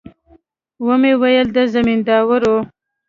ومې ويل د زمينداورو.